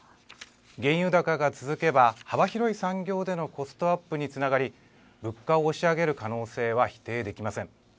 原油高が続けば、幅広い産業でのコストアップにつながり、物価を押し上げる可能性は否定できません。